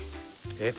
えっ